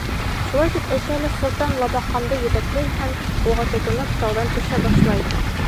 Шулай тип әйтә лә солтан Лабаҡанды етәкләй һәм, уға тотоноп, тауҙан төшә башлай!